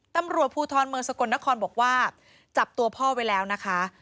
ตำรวจภูทรเมืองสกลนครบอกว่าจับตัวพ่อไว้แล้วนะคะ